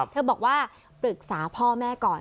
บอกว่าปรึกษาพ่อแม่ก่อน